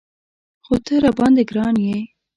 خو ته راباندې ګران یې.